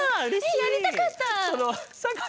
えやりたかった！